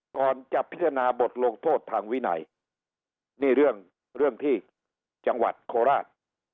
ก่อนจะพิจารณาบทลงโทษทางวินัยนี่เรื่องเรื่องที่จังหวัดโคราช